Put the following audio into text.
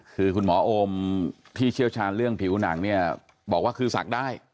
คือคุณหมอโอมที่เชี่ยวชาญเรื่องผิวหนังเนี่ยบอกว่าคือศักดิ์ได้